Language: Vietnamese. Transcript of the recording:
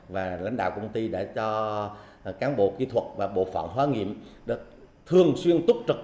và lãnh đạo công ty đã cho cán bộ kỹ thuật và bộ phòng hóa nghiệm được thường xuyên túc trực